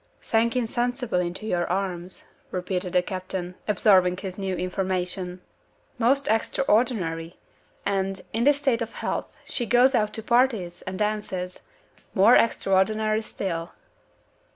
"Sank insensible into your arms," repeated the captain, absorbing his new information. "Most extraordinary! And in this state of health she goes out to parties, and dances. More extraordinary still!"